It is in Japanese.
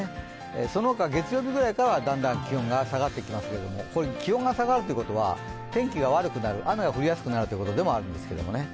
そのほか、月曜日くらいからはだんだん気温が下がってきそうですが、気温が下がるということは天気が悪くなる、雨が降りやすくなるということでもあるんですけどね。